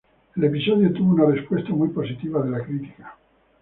El episodio tuvo una respuesta muy positiva de la crítica.